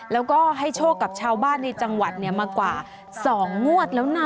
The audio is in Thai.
แล้วก็ให้โชคกับชาวบ้านในจังหวัดมากว่า๒งวดแล้วนะ